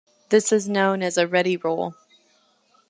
This is also known as a "ready rule".